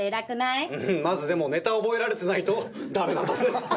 うんまずでもネタを覚えられてないとダメなんだぜ。